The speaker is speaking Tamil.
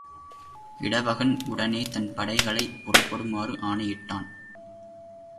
இடவகன் உடனே தன் படைகளைப் புறப்படுமாறு ஆணையிட்டான்.